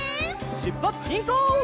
しゅっぱつしんこう！